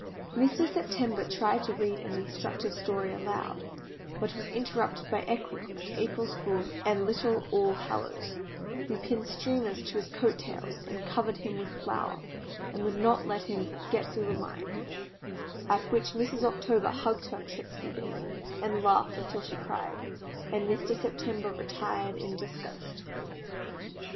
Mr. September tried to read an instructive story aloud, but was interrupted by Equinox, April Fool, and little All Hallows, who pinned streamers to his coat tails, covered him with flour, and would not let him get through a line; at which Mrs. October hugged her tricksy baby, and laughed until she cried, and Mr. September retired in disgust.